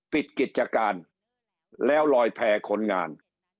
ปิดกิจการแล้วลอยแพร่คนงาน